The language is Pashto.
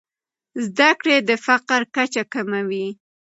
زده کړې د فقر کچه کموي.